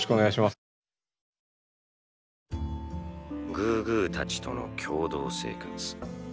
グーグーたちとの共同生活。